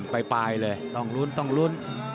ไปปลายเลย